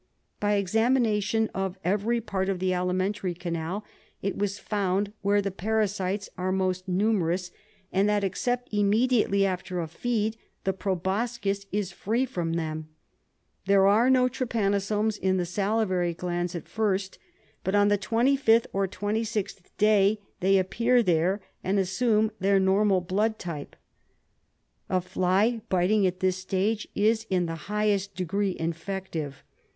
By examination of every part of the alimentary canal it was found where the parasites are most numerous, and that, except immediately after a feed, the proboscis is free from them. There are no trypanosomes in the salivary glands at first, but on the 25th or 26th day they appear there, and assume their normal blood type. A fly biting at this stage is in the highest degree infective.